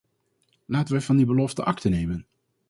Laten wij van die belofte akte nemen.